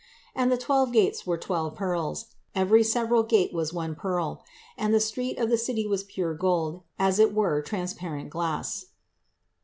And the twelve gates were twelve pearls; every several gate was of one pearl: and the street of the city was pure gold, as it were transparent glass.